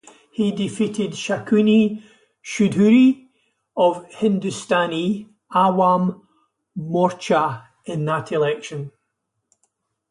He defeated Shakuni Choudhury of Hindustani Awam Morcha in that election.